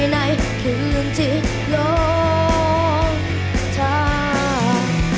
ในคืนที่หลงทาง